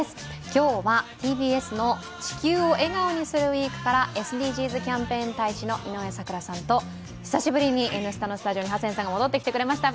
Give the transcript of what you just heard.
今日はＴＢＳの「地球を笑顔にするＷＥＥＫ」からＳＤＧｓキャンペーン大使の井上咲楽さんと久しぶりに「Ｎスタ」のスタジオにハセンさんが戻ってきてくれました。